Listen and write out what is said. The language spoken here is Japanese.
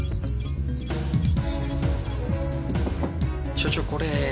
所長これ。